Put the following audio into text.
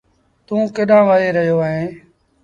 توٚنٚ ڪيڏآݩهݩ وهي رهيو اهينٚ؟